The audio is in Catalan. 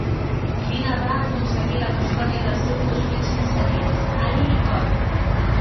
Dina va aconseguir la custòdia dels seus dos fills més petits, Ali i Cody.